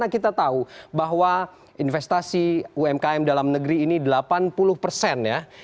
kita tahu bahwa investasi umkm dalam negeri ini delapan puluh persen ya